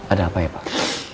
ada apa ya pak